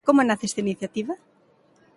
Como nace esta iniciativa?